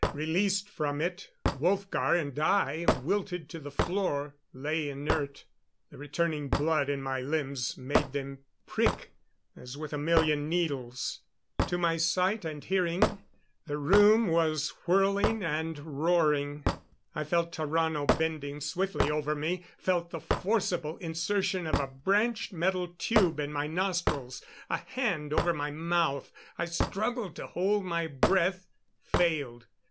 Released from it, Wolfgar and I wilted to the floor lay inert. The returning blood in my limbs made them prick as with a million needles. To my sight and hearing, the room was whirling and roaring. I felt Tarrano bending swiftly over me; felt the forcible insertion of a branched metal tube in my nostrils; a hand over my mouth. I struggled to hold my breath failed.